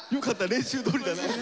練習どおりだな！